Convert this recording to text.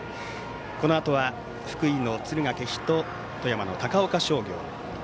このあとは福井の敦賀気比と富山の高岡商業。